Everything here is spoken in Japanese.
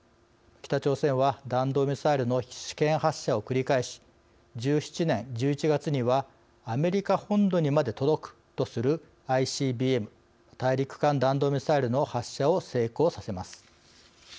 北朝鮮は弾道ミサイルの試験発射を繰り返し１７年１１月にはアメリカ本土にまで届くとするＩＣＢＭ＝大陸間弾道ミサイルの発射を成功させます。